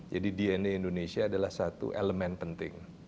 jadi dna indonesia adalah satu elemen penting